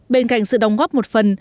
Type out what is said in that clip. bên cạnh sự đóng góp một phần